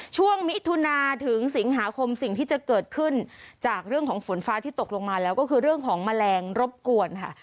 มิถุนาถึงสิงหาคมสิ่งที่จะเกิดขึ้นจากเรื่องของฝนฟ้าที่ตกลงมาแล้วก็คือเรื่องของแมลงรบกวนค่ะ